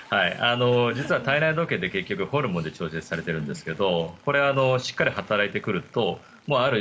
実は体内時計ってホルモンで調節されてるんですけどこれ、しっかり働いてくるとある